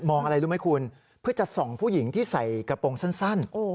อะไรรู้ไหมคุณเพื่อจะส่องผู้หญิงที่ใส่กระโปรงสั้น